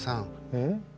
うん？